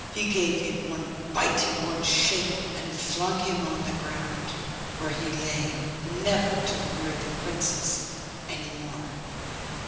He gave him one bite and one shake, and flung him on the ground, where he lay, never to worry the princess any more.